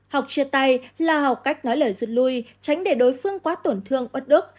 học chia tay là học cách nói lời rút lui tránh để đối phương quá tổn thương bất đức